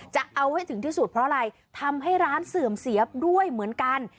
จะเอาให้ถึงที่สุดเพราะอะไรทำให้ร้านเสื่อมเสียด้วยเหมือนกัน